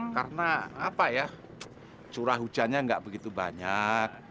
karena apa ya curah hujannya ga begitu banyak